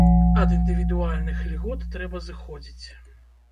Ад індывідуальных ільгот трэба зыходзіць.